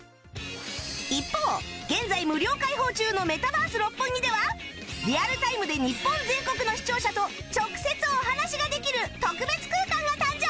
一方現在無料開放中のメタバース六本木ではリアルタイムで日本全国の視聴者と直接お話しができる特別空間が誕生！